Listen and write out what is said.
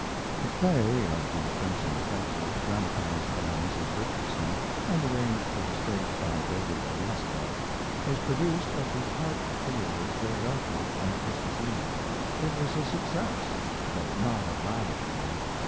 The play of "The Prince and the Pauper," dramatized by Mrs. Richardson and arranged for the stage by David Belasco, was produced at the Park Theater, Philadelphia, on Christmas Eve. It was a success, but not a lavish one.